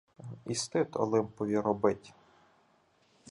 І стид Олимпові робить?